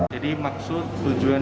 jadi maksud tujuan